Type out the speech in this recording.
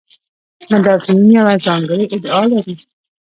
مدافعین یوه ځانګړې ادعا لري.